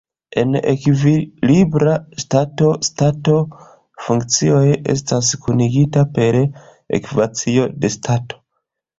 En ekvilibra stato stato-funkcioj estas kunigita per ekvacio de stato.